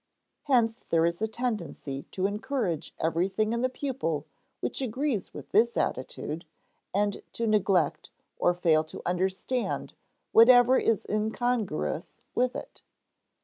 Hence there is a tendency to encourage everything in the pupil which agrees with this attitude, and to neglect or fail to understand whatever is incongruous with it.